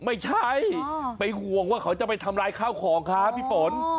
ไม่ใช่ไปห่วงว่าเขาจะไปทำลายข้าวของครับพี่ฝน